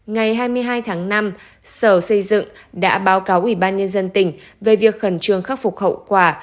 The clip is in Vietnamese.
ngày hai mươi hai tháng năm sở xây dựng đã báo cáo ủy ban nhân dân tỉnh về việc khẩn trương khắc phục hậu quả